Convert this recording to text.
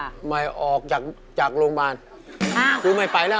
อเจมส์ไม่ออกจากโรงพยาบาลคือไม่ไปแล้ว